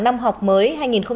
năm học mới